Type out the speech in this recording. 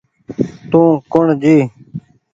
تو ڪوٚڻ جي